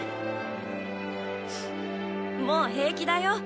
もう平気だよ。